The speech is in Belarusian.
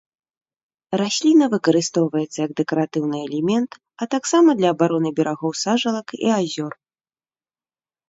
Расліна выкарыстоўваецца як дэкаратыўны элемент, а таксама для абароны берагоў сажалак і азёр.